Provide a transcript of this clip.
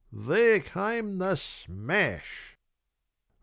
there came the smash!